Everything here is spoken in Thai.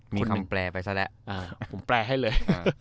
มีคำแปลไปซะแล้วผมแปลให้เลย